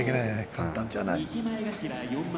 簡単じゃない。